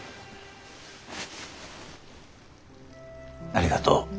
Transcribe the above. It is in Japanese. ありがとう。